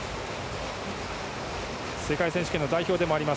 世界選手権の代表でもあります